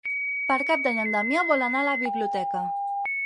Per Cap d'Any en Damià vol anar a la biblioteca.